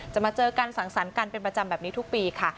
มาเจอกันสังสรรค์กันเป็นประจำแบบนี้ทุกปีค่ะ